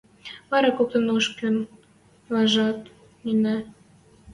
Вара коктын ушкы ванжат нӹнӹ;